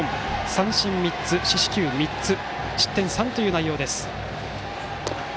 三振３つ、四死球３つ失点３という内容です。